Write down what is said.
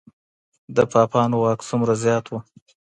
د پاپانو واک څومره زیات و؟